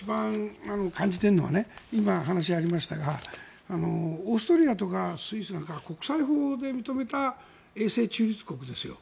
今、話がありましたがオーストリアとかスイスは国際法で認めた永世中立国ですよ。